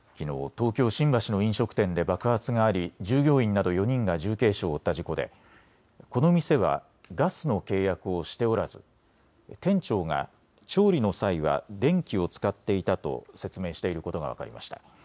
東京新橋の飲食店で爆発があり従業員など４人が重軽傷を負った事故でこの店はガスの契約をしておらず店長が調理の際は電気を使っていたと説明していることが分かりました。